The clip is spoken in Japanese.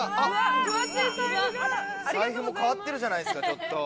財布も変わってるじゃないですかちょっと。